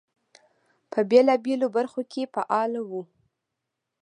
په بېلابېلو برخو کې فعال وو.